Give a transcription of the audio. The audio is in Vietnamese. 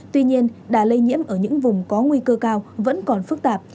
tuy nhiên đà lây nhiễm ở những vùng có nguy cơ cao vẫn còn phức tạp